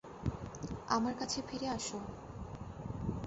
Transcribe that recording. আমার কাছে ফিরে আসো!